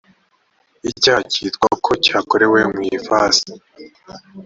icyaha cyitwa ko cyakorewe mu ifasi